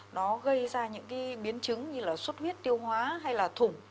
nó gây ra những cái biến chứng như là suốt huyết tiêu hóa hay là thủng